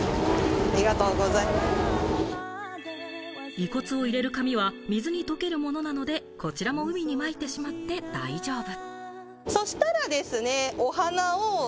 遺骨を入れる紙は水に溶けるものなので、こちらも海に撒いてしまって大丈夫。